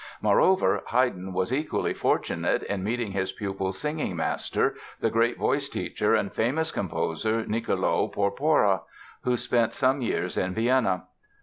Moreover, Haydn was equally fortunate in meeting his pupil's singing master, the great voice teacher and famous composer, Niccolo Porpora, who spent some years in Vienna.